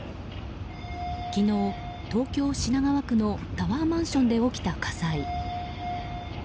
昨日、東京・品川区のタワーマンションで起きた火災。